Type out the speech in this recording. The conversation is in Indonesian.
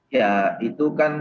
ya itu kan